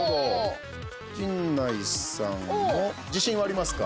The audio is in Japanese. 陣内さんも自信はありますか？